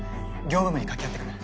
業務部に掛け合ってくる。